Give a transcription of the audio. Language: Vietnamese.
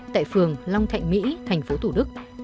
tại phường long thạnh mỹ thành phố tủ đức